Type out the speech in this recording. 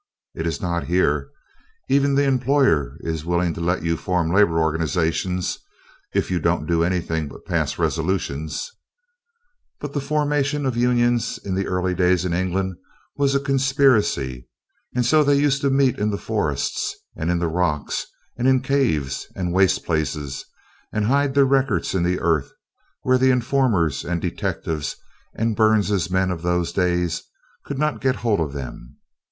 It is not here. Even the employer is willing to let you form labor organizations, if you don't do anything but pass resolutions. (Laughter and applause). But the formation of unions in the early days in England was a conspiracy, and so they used to meet in the forests and in the rocks and in the caves and waste places and hide their records in the earth where the informers and detectives and Burnes' men of those days could not get hold of them.